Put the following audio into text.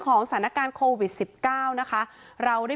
ของสรรคราณการโควิดสิบเก้านะคะเราได้